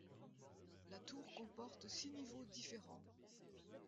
La tour comporte six niveaux différents.